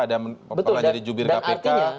ada yang jadi jubir kpk dan artinya